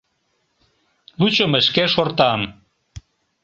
Лучо мый шке шортам...